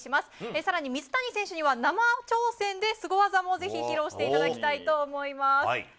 更に水谷選手には生挑戦でスゴ技も披露していただきたいと思います。